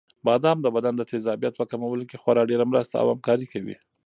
بادام د بدن د تېزابیت په کمولو کې خورا ډېره مرسته او همکاري کوي.